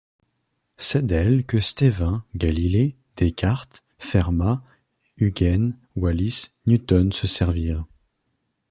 C'est d'elles que Stevin, Galilée, Descartes, Fermat, Huygens, Wallis, Newton se servirent.